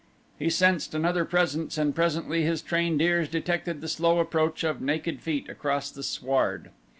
He sensed another presence and presently his trained ears detected the slow approach of naked feet across the sward.